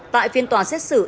tại phiên tòa xét xử y buôn giá